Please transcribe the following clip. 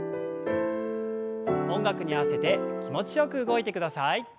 音楽に合わせて気持ちよく動いてください。